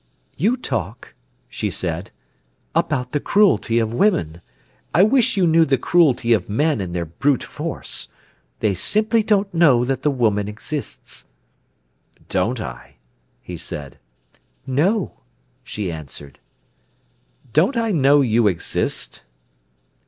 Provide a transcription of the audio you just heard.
"You talk," she said, "about the cruelty of women; I wish you knew the cruelty of men in their brute force. They simply don't know that the woman exists." "Don't I?" he said. "No," she answered. "Don't I know you exist?"